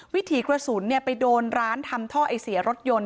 วิถีกระสุนไปโดนร้านทำท่อไอเสียรถยนต์